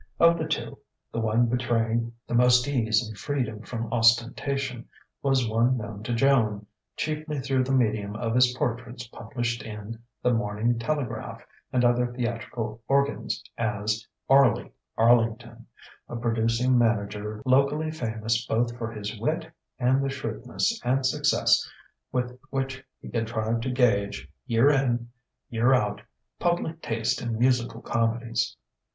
Of the two, the one betraying the most ease and freedom from ostentation was one known to Joan, chiefly through the medium of his portraits published in The Morning Telegraph and other theatrical organs, as "Arlie" Arlington, a producing manager locally famous both for his wit and the shrewdness and success with which he contrived to gauge, year in, year out, public taste in musical comedies.